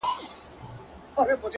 د لوپټې نه. تر دستاره زه به مینه کوم